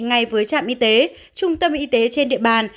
ngay với trạm y tế trung tâm y tế trên địa bàn